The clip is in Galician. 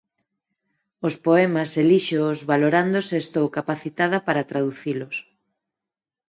Os poemas elíxoos valorando se estou capacitada para traducilos.